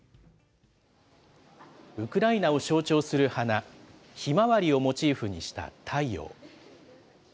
ウクライナを象徴する花、ひまわりをモチーフにした太陽。